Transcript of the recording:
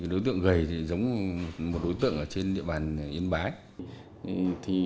đối tượng gầy giống một đối tượng ở trên địa bàn yên bái